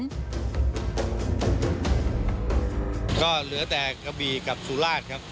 ก็เหลือแต่กระบี่กับสุราชครับ